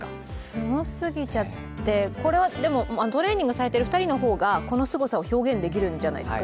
すごすぎちゃって、これはトレーニングされている２人の方が、このすごさを表現できるんじゃないですか。